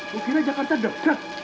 mungkin jakarta dekat